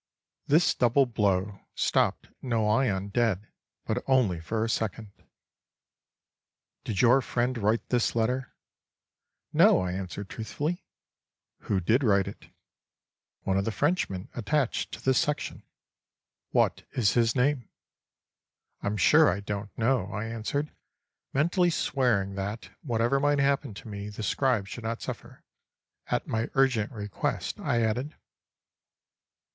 This double blow stopped Noyon dead, but only for a second. "Did your friend write this letter?"—"No," I answered truthfully.—"Who did write it?"—"One of the Frenchmen attached to the section."—"What is his name?"—"I'm sure I don't know," I answered; mentally swearing that, whatever might happen to me the scribe should not suffer. "At my urgent request," I added.